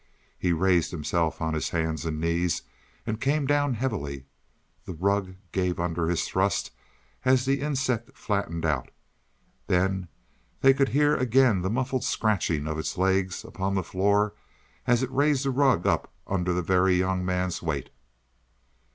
He raised himself on his hands and knees, and came down heavily. The rug gave under his thrust as the insect flattened out; then they could hear again the muffled scratching of its legs upon the floor as it raised the rug up under the Very Young Man's weight.